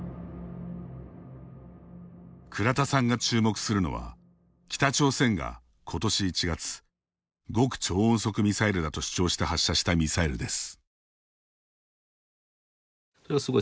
倉田さんが注目するのは北朝鮮が、ことし１月極超音速ミサイルだと主張して発射したミサイルです。